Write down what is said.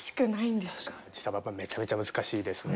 やっぱめちゃめちゃ難しいですね。